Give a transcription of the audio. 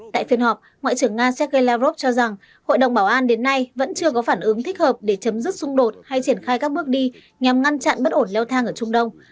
tại phiên họp ngoại trưởng nga sergei lavrov cho rằng hội đồng bảo an đến nay vẫn chưa có phản ứng thích hợp để chấm dứt xung đột hay triển khai các bước đi nhằm ngăn chặn bất ổn leo thang ở trung đông